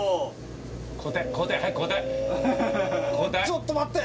ちょっと待って！